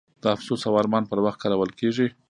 د افسوس او ارمان پر وخت کارول کیږي.